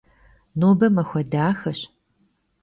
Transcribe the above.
Nobe maxue daxeş.